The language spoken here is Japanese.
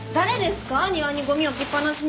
庭にゴミ置きっぱなしにしたの。